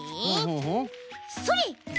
それ！